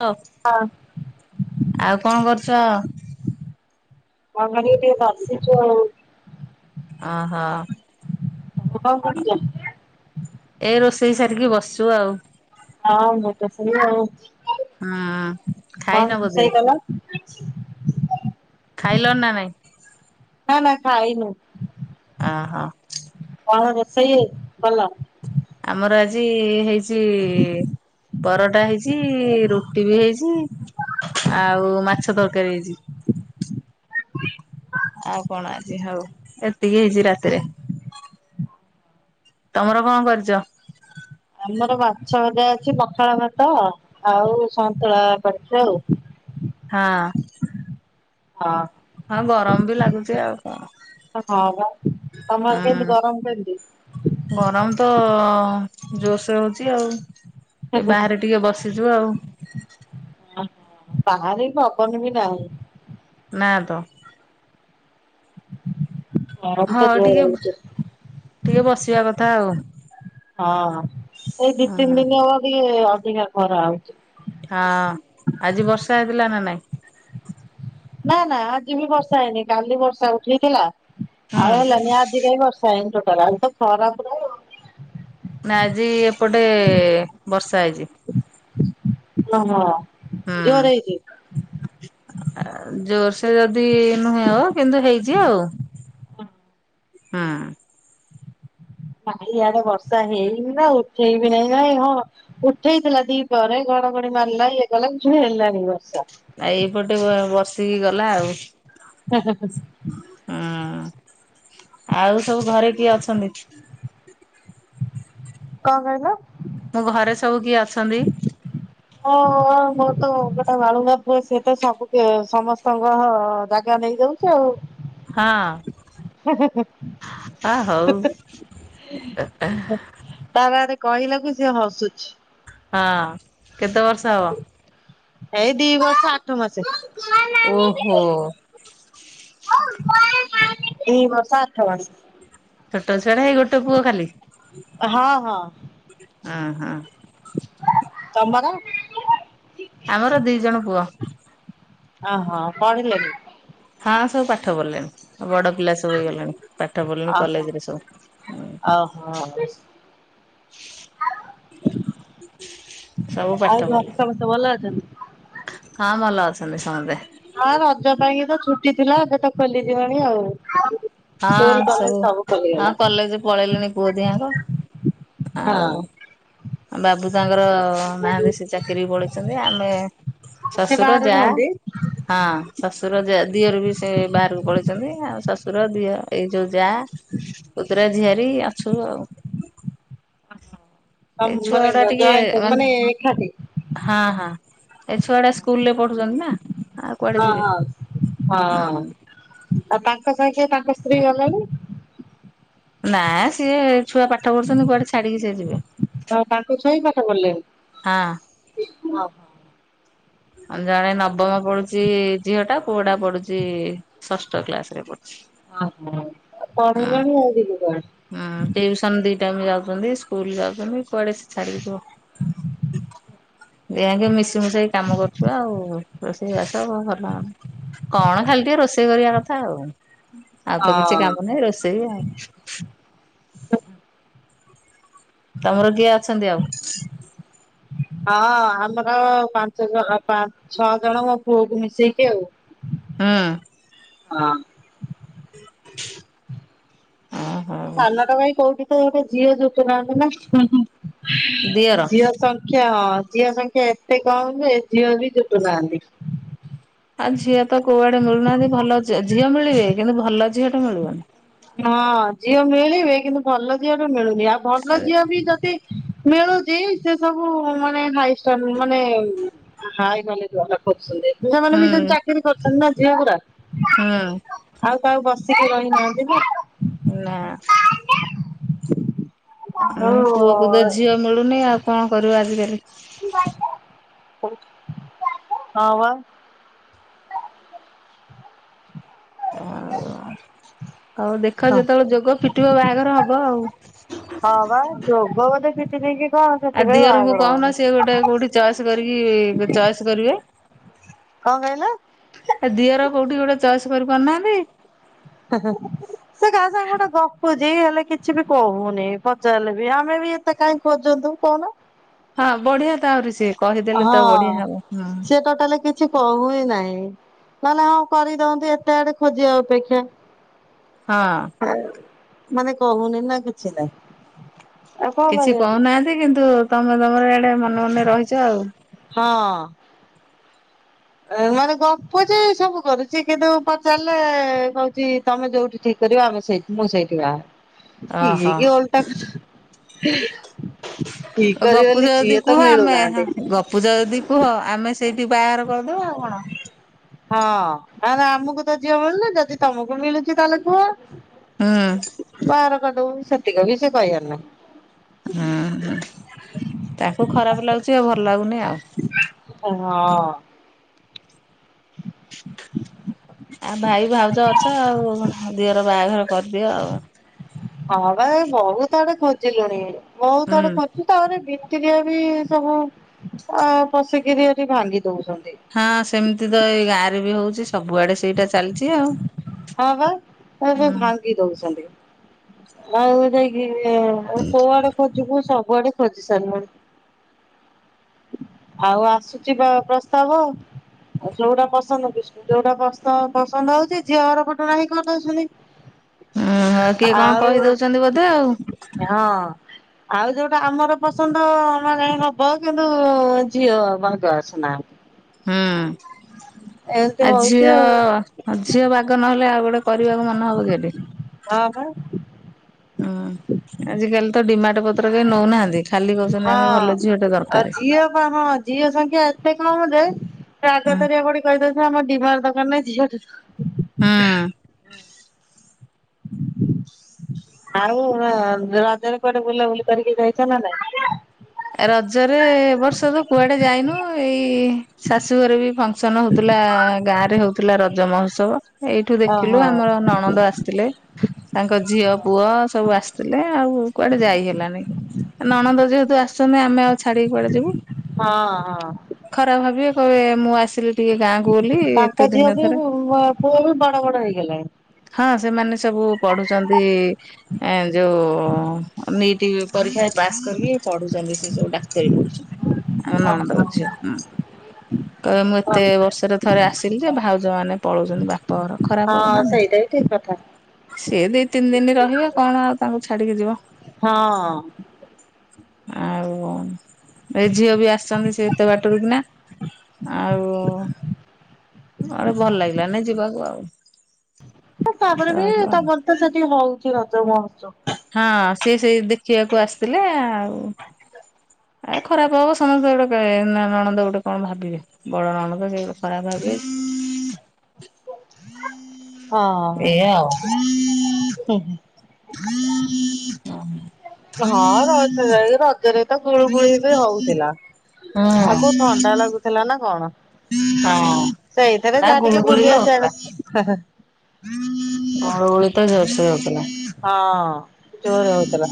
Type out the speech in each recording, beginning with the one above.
ହଁ। ହଁ। ଆଉ କଣ କରୁଚ। କ କରିବି ଟିକେ ବସିଚୁ ଆଉ। ଅହୋ। କ'ଣ କରୁଛ? ଏଇ ରୋଷେଇ ସାରିକି ବସିଛୁ ଆଉ। ହଁ ମୁଁ ତ ସେଇ ଆଉ ହୁଁ କ'ଣ ଖାଇନ ବୋଧେ ରୋଷେଇ କଲ? ଖାଇଲ ନା ନାଇଁ। ନା ନା ଖାଇନୁ। ଆହ୍ କ'ଣ ରୋଷେଇ ହେଇଛି କଳା? ଆମର ଆଜି ହେଇଛି। ପରଟା ହେଇଛି।। ରୁଟି ବି ହେଇଛି। ଆଉ ମାଛ ତରକାରୀ ହେଇଛି। ଆଉ କ'ଣ ଆଜି ହଉ? ଏତିକି ହେଇଛି ରାତିରେ। ତମର କ'ଣ କରିଛ? ଆମର ମାଛ ଭଜା ଅଛି। ପଖାଳ ଭାତ ଆଉ ସନ୍ତୁଳା କରିଛୁ। ଆଊ।। ହଁ ଓହୋ ହଁ ଗରମ ବି ଲାଗୁଛି। ଆଉ କ'ଣ? ହଁ ପା। ତମର କେମିତି ହୁଁ। ଗରମ କେମିତି? ଗରମ ତ ଜୋର୍ ସେ ହଉଛି। ଆଉ।। ଏ ବାହାରେ ଟିକେ ବସିଛୁ ଆଉ। ବାହାରେ ପବନ ବି ନାହିଁ। ନା ତ ଗରମ ତ ହଁ ଜୋରେ ଟିକେ ହଉଛି। ଟିକେ ବସିବା କଥା ଆଉ। ହଁ ଏଇ ଦି ହୁଁ ତିନି ଦିନ ହବ ବି ଅଧିକା ଖରା ହଉଛି। ହଁ ଆଜି ବର୍ଷା ହେଇଥିଲା ନା ନାଇଁ। ନା ନା ଆଜି ବି ବର୍ଷା ହେଇନି କାଲି ବର୍ଷା ଉଠେଇଥିଲା ହୁଁ ଆଉ ହେଲାନି ଆଜି କାହିଁ ବର୍ଷା। ସେଇଟା ଖରା। ନା ଆଜି ଏପଟେ ବର୍ଷା ହେଇଛି। ଓହୋ ଜୋର ହେଇଛି। ଜୋର ସେ ଯଦି ନୁହେଁ ହୋ କିନ୍ତୁ ହେଇଛି ଆଉ। ହୁଁ ଭାଇଆଡେ ବର୍ଷା ହେଇନି ନା ଉଠେଇବି ନାହିଁ ନାଇଁ ହଁ। ଉଠେଇଥିଲା ଦି ପରେ ଘଡ ଘଡି ମାରିଲା ଇଏ କଲା କିଛି ବି ହେଲାନି ବର୍ଷା। ଏଇପଟେ ବସିକି ଗଲା ଆଉ। [unintelligible] ହୁଁ ଆଉ ସବୁ ଘରେ କିଏ ଅଛନ୍ତି? କ'ଣ କହିଲେ? ଘରେ ସବୁ କିଏ ଅଛନ୍ତି? ହଁ ମୋର ତ ଗୋଟେ ବାଳୁଙ୍ଗ ପୁଅ ସିଏ ତ ସବୁ ସମସ୍ତଙ୍କ।। ଗ ନେଇ ଯାଉଛି ଆଉ। ହଁ ଆଉ ହଉ। ତା ପାଖରେ କହିଲାକୁ ସିଏ ହସୁଛି। ହଁ କେତେ ବର୍ଷ ହବ? ଏଇ ଦି ବର୍ଷ ଆଠ ମାସେ। ଓହୋ ଏଇ ବର୍ଷ ଆଠ ମାସେ। ଛୋଟ ଛୁଆଟା ଏ ଗୋଟ ପୁଅ ଖାଲି। ହଁ ହଁ ଓହୋ ତମର ଆମର ଦି ଜଣ ପୁଅ। ଓ ହୋ ପଢିଲେନି। ହଁ ସବୁ ପାଠ ପଢିଲେଣି ବଡ କ୍ଲାସ୍ ସବୁ ହେଇଗଲାଣି ପାଠ ପଢ଼ିଲେଣି ଓହୋ କଲେଜ ରେ ସବୁ। ଓହୋ। ହ ସବୁ ଆଉ ପାଠ ପ, ଘରେ ସମସ୍ତେ ଭଲ ଅଛନ୍ତି? ହଁ ଭଲ ଅଛନ୍ତି ସମତେ। ହଁ ରଜ ପାଇଁକି ତ ଛୁଟି ଥିଲା ଏବେ ତ ଖୋଲିଯିବଣି ଆଉ। ହଁ ସ୍କୁଲ କଲେଜ ସବୁ ହଁ ଖୋଲିଗଲା। କଲେଜେ ପଳେଇଲିଣି ପୁଅ ଦିହାଙ୍କ। ଆଉ ହଁ‌। ବାବୁ ତାଙ୍କର ନାହାନ୍ତି ସେ ଚାକିରି ପଳେଇଚନ୍ତି ଆମେ ସେ ଶଶୁର ବାହାରେ ଯା ରୁହନ୍ତି ହଁ ଶଶୁର ଜା ଦିଅରୁ ବି ସେ ବାହାରକୁ ପଳେଇଚନ୍ତି ଆଉ ଶଶୁର ଦିଅ ଏଇ ଯୋଉ ଯା ପୂତୁରା ଝିଆରିୀ ଆଛୁ ଆଉ। ଏଇ ଛୁଆ ମାନେ ଗୁଡା ଟିକେ ଜଏଣ୍ଟ ମାନେ ଏକାଠି। ହଁ ହଁ। ଏ ଛୁଆଟା ସ୍କୁଲ୍ ରେ ପଢୁଚନ୍ତି ନା ଆଉ କୁଆଡେ ହଁ ଯିବେ ହଁ ହୁଁ। ହଁ ଆଉ ତାଙ୍କ ସାଙ୍ଗେ ତାଙ୍କ ସ୍ତ୍ରୀ ଗଲେଣି। ନା ସିଏ ଛୁଆ ପାଠ ପଢୁଚନ୍ତି କୁଆଡେ ଛାଡିକି ସିଏ ଯିବେ। ହଁ ତାଙ୍କ ଛୁଆ ବି ପାଠ ପଢିଲେଣି। ହଁ। [unintelligible] ଜଣେ ନବମ ପଡୁଚି ଝିଅ ଟା ପୁଅ ଟା ପଢୁଚି ଷଷ୍ଠ କ୍ଲାସ୍ ରେ ପଢୁଚି। ଓହୋ ପଢିଲେଣି ଆଉ। ହୁଁ ଟିଉସନ୍ ଦି ଟାଇମି ଯାଉଚନ୍ତି ସ୍କୁଲ ଯାଉଚନ୍ତି କୁଆଡେ ସେ ଛାଡିକି ଯିବ। ଦିହାଁକେ ମିଶି ମୁଶାକି କାମ କରୁଚୁ ଆଉ। ଏଇଆ ସବୁ ଭଲ କଣ ଖାଲି ଟିକେ ରୋଷେଇ କରିବା କଥା ଆଉ। ଆଉ ତ କିଛି ହଁ। କାମ ନାହିଁ ରୋଷେଇ ଆଉ। ତମର କିଏ ଅଛନ୍ତି ଆଉ? ହଁ ଆମର ପାଞ୍ଚ ଜ ପା ଛଅ ଜଣ ମୋ ପୁଅକୁ ମିଶେଇକି ଆଉ। ହୁଁ। ହଁ। ହ ଆମ ସାନଟା ପାଇଁ କୋଉଠି ତ ଗୋଟେ ଝିଅ ଜୋଟୁ ନାହାନ୍ତି ନା ଦିଅର ଝିଅ ସ କ୍ଷମା ହଁ ଝିଅ ସଂଖ୍ୟା ଏତେ କମ୍ ଯେ ଝିଅ ବି ଜୁଟୁ ନାହାନ୍ତି। ଆ ଝିଅ ତ କୋଉଆଡେ ମିଳୁନାହାନ୍ତି ଭଲ ଝିଅ ମିଳିବେ କିନ୍ତୁ ଭଲ ଝିଅ ଟେ ମିଳିବନି। ହଁ ଝିଅ ମିଳିବେ କିନ୍ତୁ ଭଲ ଝିଅ ଟେ ମିଳୁନି ଆଉ ଭଲ ହୁଁ ଝିଅ ବି ଯଦି ମିଳୁଚି ସେ ସବୁ ମାନେ ମାନେ ହାଇ ଷ୍ଟା ମାନେ ହାଇ କ୍ୱାଲି ସେମାନେ ମି ସେ ଚାକିରି କରୁଛନ୍ତି ନା ଝିଅ ଗୁଡା। ହୁଁ। ଆଉ କାହା କୁ ବସିକି ରହିନାହାନ୍ତି ନା। ନା। ଆଉ ଉଁ ପୁଅ କୁ ତ ଝିଅ ମିଳୁନି ଆଉ କଣ କରିବ ଆଜିକାଲି। ହଁ ବା। ଆଉ ଦେଖ ହଁ। ଯେତେବେଳେ ଯୋଗ ଫିଟିବ ବାହାଘର ହବ ଆଉ। ହଁ ବା ଯୋଗ ବଧେ ଫିଟିନେଇକି ଆଉ ଦିଅରଙ୍କୁ କହୁନ ସିଏ ଗୋଟେ କୋଉଠି ଚଏସ୍ କରିକି ଚଏସ୍ କରିବେ। କଁ କହିଲ? ତା ଦିଅର କୋଉଠି ଗୋଟେ ଚଏସ୍ କରି ପାରୁନାହାନ୍ତି? ହେଁ- ହେଁ। ସେ କା ସାଙ୍ଗେ ଗୋଟେ ଗପୁଚି ହେଲେ କିଛି ବି କହୁନି ପଚାରିଲେ ବି ଆମେ ବି ତେ କାଇଁ ଖୋଜନ୍ତୁ କଉନୁ। ହଁ ବଢିଆ ତ ଆହୁରି ସିଏ କହିଦେଲେ ତ ବଢିଆ ହବ ହୁଁ। ଟୋଟାଲ କି କିଛି କହୁ ହିଁ ନାହିଁ। ନହେଲେ ହଉ କରିଦିଅନ୍ତୁ ଏତେ ଆଡେ ଖୋଜିବା ଅପେକ୍ଷା। ହଁ। ହାଏ ମାନେ କହୁନି ନା କିଛି ନାହିଁ। ଆଉ କଣ କିଛି କରିବା କହୁନାହାନ୍ତି କିନ୍ତୁ ତମେ ତମର ଇଆଡେ ମନେ ମନେ ରହିଚ ଆଉ। ହଁ। ମାନେ ଗପୁଚି ସବୁ କରୁଚି କିନ୍ତୁ ପଚାରିଲେ କହୁଚି ତମେ ଯୋଉଠି ଠିକ୍ କରିବ ଆମେ ସେଇଠି ମୁଁ ସେଇଠି ବାହାହେବି। ଇଏ ଓହୋ। କି ଓଲଟା କଥା। ଠିକ୍ କରିବ ବଲି ଝିଅ ତ ମିଳୁ ନାହାଁନ୍ତି। ପୂଜା ଯଦି କୁହ ଆମେ ସେଇଠି ବାହାଗର କରିଦେବା ଆଉ କଣ। ହଁ କାହିଁନା ଆମକୁ ତ ଝିଅ ମିଳୁନି ଯଦି ତମକୁ ମିଳୁଚି ତାହେଲେ ହୁଁ କୁହ। ବାହାର କରିଦବୁ ସେତିିକ ବି ସେ କହିବାର ନାହିଁ। ହୁଁ ହୁଁ ତାକୁ ଖରାପ ଲାଗୁଚି ଆଉ ଭଲ୍ ଲାଗୁନି ଆଉ। ହଁ। ହଁ ଆଉ ଭାଇ ଭାଉଜ ଅଛ ଆଉ ଦିଅର ବାହାଘର କରିଦିଅ ଆଉ। ହଁ ବା ବହୁତ ଆଡେ ଖୋଜିଲୁଣି ବହୁତ ଆଡେ ହୁଁ। ଖୋ ତାପରେ ବିତିରିିଆ ବି ସବୁ ଅ ପଶିକିରି ଏଠି ଭାଙ୍ଗି ଦଉଛନ୍ତି। ହଁ ସେମିତି ତ ଏଇ ଗାଁ ରେ ବି ହଉଛି ସବୁଆଡେ ସେଇଟା ଚାଲିଛି ଆଉ। ହଁ ବା ହୁଁ। ଭାଙ୍ଗି ଏବେ ଦଉଛନ୍ତି ହଁଉ ଯାଇ କି କୋଉଆଡେ ଖୋଜକୁୁ ସବୁଆଡେ ଖୋଜି ସାରିଲୁଣି। ଆଉ ଆସୁଛି ବ ପ୍ରସ୍ତାବ ଆଉ ଯୋଉଟା ପସନ୍ଦ ବିଷ୍ଣୁ ଯୋଉଟା ପସନ୍ଦ ହଉଛି ଝିଅ ହର ପଟୁ ନାହିଁ କରିଦେଉଛନ୍ତି। ହୁଁ କିଏ କଣ ଆଉ କହିଦଉଛନ୍ତି ବୋଧେ ଆଉ ହଁ। ଆଉ ଯୋଉଟା ଆମର ପସନ୍ଦ ମାନ ନବ କିନ୍ତୁ ଝିଅ ବାଗ ଅସୁନାହାନ୍ତି। ହୁଁ ଏମିତି ଆ ହଉଛି ଝିଅ ଆଉ ହଁ ହଁ ଝିଅ ବାଗ ନହେଲେ ଆଉ ଗୋଟେ କରିବାକୁ ମନେ ହବ କି ଏଠି। ହଁ ବା। ହୁଁ ଆଜିକାଲି ତ ଡିମାଣ୍ଡ ପତ୍ର କେହି ନଉନାହାନ୍ତି। ଖାଲି କହୁଛନ୍ତି ହଁ ଆମେ ଭଲ ଝିଅଟେ ଆ ଦରକାର। ଝିଅ ବା ହଁ ଝିଅ ସଂଖ୍ୟା ଏତେ କମ୍ ଯେ ହୁଁ ଆଗତରିକା ପୁଣି କହିଦଉଛନ୍ତି ଆମ ଡିମାଣ୍ଡ ଦରକାର ନାହିଁ ଝିଅ ହୁଁ। ଆଉ ରଜରେ କୁଆଡେ ବୁଲାବୁଲି କରିକି ଯାଇଛ ନା ନାଇ? ରଜରେ ବର୍ଷ ତ କୁଆଡେ ଯାଇନୁ ଏଇ ଶାଶୁ ଘରେ ବି ଫଙ୍କସନ ହଉଥିଲା ଗାଁ ରେ ହଉଥିଲା ରଜ ମହୋତ୍ସବ। ଏଇଠୁ ଓହୋ ଦେଖିଲୁ ଆମର ନଣନ୍ଦ ଆସିଥିଲେ। ତାଙ୍କ ଝିଅ ପୁଅ ସବୁ ଆସିଥିଲେ ଆଉ କୁଆଡେ ଯାଇ ହେଲାଣି। ନଣନ୍ଦ ଯେହେତୁ ଆସୁଛନ୍ତି ଆମେ ଆଉ ଛାଡିକି କୁଆଡେ ଯିବୁ। ହଁ ହଁ ଖରା ଭାବିବେ କହିବେ ମୁଁ ଆସିଲି ଟିକେ ଗାଁକୁ ବୋଲି ଏତେ ତାଙ୍କ ଦିନ ଝିଅ ବି ଥରେ। ପୁଅ ବି ବଡ ବଡ ହେଇଗଲେଣି। ହଁ ସେମାନେ ସବୁ ପଢୁଛନ୍ତି ଏ ଯୋଉ ନିଟ ପରୀକ୍ଷା ପାସ୍ ପଢୁଛନ୍ତି ସେ ସବୁ ଡାକ୍ତରୀ ପଢୁଛନ୍ତି ଆମ ନଣନ୍ଦଙ୍କ ଝିଅ ହଁୁ। ହୁଁ କହୀବେ ମୁଁ ଏତେ ବର୍ଷରେ ଥରେ ଆସିଲି ଯେ ଭାଉଜ ମାନେ ପଳଉଛନ୍ତି ବାପଘର ଖରାପ ହବ ନା ନାଇଁ। ଠିକ୍ କଥା। ସିଏ ଦି ତିନି ଦିନ ରହିବ କଣ ଆଉ ତାଙ୍କୁ ଛାଡିକି ଯିବ। ହଁ। ଆଉ କଣ? ଏ ଝିଅ ବି ଆସିଛନ୍ତି ସେ ଏତେ ବାଟରୁ କିନା ଆଉ ଆଡେ ଭଲ ଲାଗିଲା ନାଇ ଯିବାକୁ ଆଉ। ତାପରେ ବି ରହିଲୁ ଆଉ। ତମର ତ ସେଠି ହୋଉଛି ରଜ ମହତ୍ସବ। ହଁ ସିଏ ସେଇ ଦେଖିବାକୁ ଆସିଥିଲେ ଆ ଆ ଖରାପ ହବ ସମସ୍ତେ ଗୋଟେ ନଣନ୍ଦ ଗୋଟେ କଣ ଭାବିବେ। ବଡ ରଣଦ ସେ ଖରାପ ଭାବିବେ। ହଁ ଏଇଆ ଆଉ ହଁ। ହଁ ହ ହଁ। ହଁ ରଜ ଯାଇ ରଜରେ ତ ଗୁଳୁ ଗୁଳି ବି ହୋଉଥିଲା। ହୁଁ ଆଉ କ ଥଣ୍ଡା ଲାଗୁଥିଲା ନା କଣ। ହଁ। ସେଇଥିରେ ନା ଯାହା ଟିକେ ବୁଲିଆସିବା କ ଗୁଳୁ ଗୁଳି ତ ଜୋରସେ ହୋଉଥିଲା। ହଁ। ଜୋର ହଉଥିଲା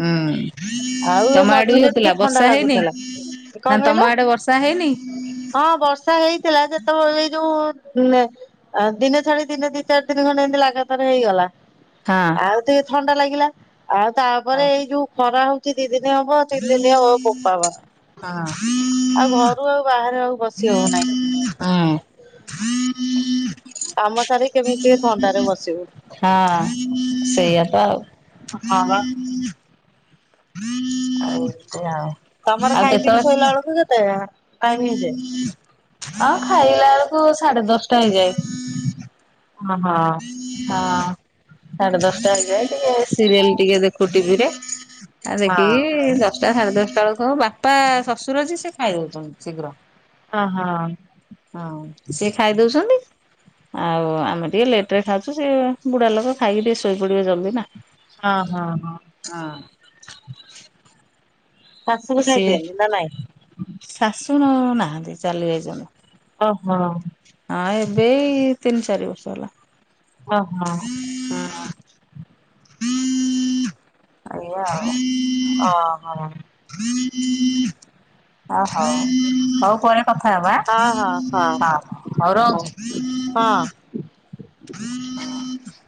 ହଁ। ଆଉ ଏ ତମ ଆଡେ ବି ମଝିରେ ଟିକେ ହୋଉଥିଲା। ଥଣ୍ଡା ବର୍ଷା ହେଇନି ଲାଗୁଥିଲା କଣ ନା କହିଲ ତମ ଆଡେ ବର୍ଷା ହେଇନି? ହଁ ବର୍ଷା ହେଇଥିଲା ଯେତେବେଳେ ଏଇ ଯୋଉ ଆ ଦିନେ ଛାଡି ଦିନେ ଦି ଚାରି ଦିନି ଖଣ୍ଡେ ଏମିତି ଲାଗାତାର ହେଇଗଲା। ହଁ। ଆଉ ଟିକେ ଥଣ୍ଡା ଲାଗିଲା ଆଉ ତାପରେ ହଁ ଏଇ ଯୋଉ ଖରା ହୋଉ କି ଦି ଦିନ ହବ ଆଉ ତିନି ଦିନ ହବ ବୋପା ମା ଆଉ ଘରୁ ଆଉ ବାହାରେ ଆଉ ବସି ହଉନାହିଁ। ହଁ। କାମ ସାରିକି କେମିତି ଟିକେ ଥଣ୍ଡାରେ ବସିବୁ। ହଁ ସେଇଆ ତ ଆଉ। ହଁ ବା। ଏମିତି ଆଉ। ତମର ଆଉ ଖାଇ ପିଇକି କେତେବେଳେ ଶୋଇଲା ବେଳକୁ କେତେ ଟାଇମ ହେଇଯାଏ? ଆଉ ଖାଇଲା ବେଳକୁ ସାଢେ ଦଶଟା ହେଇଯାଏ। ହଁ ହଁ। ହଁ ସାଢେ ଦଶଟା ହେଇଯାଏ ଟିକେ ସିରିଏଲ ଟିକେ ଦେଖୁ ଟି ଭି ରେ। ଆ ଦେଖିକି ଓହୋ ଦଶଟା ସାଢେ ଦଶଟା ବେଳକୁ ହୋଉ ବାପା ଶଶୁର ଯିଏ ସେ ଖାଇଦୋଉଛନ୍ତି ଶୀଘ୍ର। ହଁ ହଁ। ହଁ ସିଏ ଖାଇ ଦୋଉଛନ୍ତି ଆଉ ଆମେ ଟିକେ ଲେଟରେ ଖାଉଚୁ। ସିଏ ବୁଢା ଲୋକ ଖାଇକି ଟିକେ ଶୋଇ ପଡିବେ ଜଲଦି ନା। ହଁ ହଁ ହଁ। ହଁ। ଶାଶୁ ବି ଖାଇ ଦିଅନ୍ତି ନା ନାଇଁ? ଶାସୁ ନ ନାହାନ୍ତି ଚାଲି ଯାଇଚନ୍ତି। ଓହୋ। ହଁ ଏବେ ଏଇ ତିନି ଚାରି ବର୍ଷ ହେଲା। ଓହୋ। ଓହୋ ହଁ ଏଇଆ ଆଉ। ଓହୋ। ଓହୋ ହୋଉ ପରେ କଥା ହବା ହଁ ହଁ ହଉ ହଁ ହୋଉ ରହୁଚି। ହଁ। ହୁଁ।